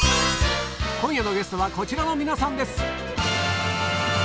今夜のゲストはこちらの皆さんです